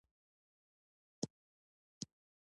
کاناډا د هوا پیژندنې اداره لري.